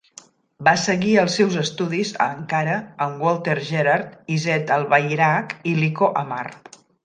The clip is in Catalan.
Va seguir els seus estudis a Ankara amb Walter Gerhard, Izzet Albayrak i Lico Amar.